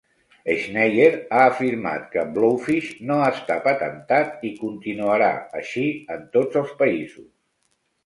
Schneier ha afirmat que Blowfish no està patentat i continuarà així en tots els països.